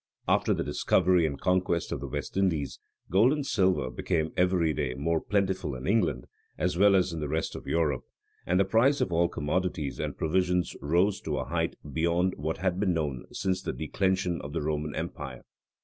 After the discovery and conquest of the West Indies, gold and silver became every day more plentiful in England, as well as in the rest of Europe; and the price of all commodities and provisions rose to a height beyond what had been known since the declension of the Roman empire.